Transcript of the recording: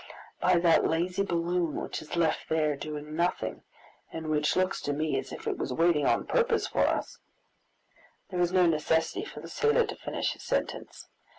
"By that lazy balloon which is left there doing nothing, and which looks to me as if it was waiting on purpose for us " There was no necessity for the sailor to finish his sentence.